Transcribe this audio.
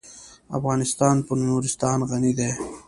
افغانستان په نورستان غني دی.